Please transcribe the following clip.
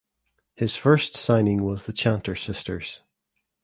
His first signing was the Chanter Sisters.